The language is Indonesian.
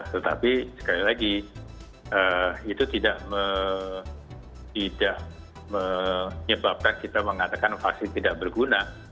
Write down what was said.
tetapi sekali lagi itu tidak menyebabkan kita mengatakan vaksin tidak berguna